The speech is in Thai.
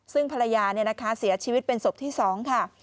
ซึ่งภรรยาเนี่ยนะคะเสียชีวิตเป็นศพที่สองค่ะ